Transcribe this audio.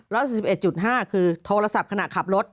ร้อยละ๑๑๕คือโทรศัพท์ขณะขับรถ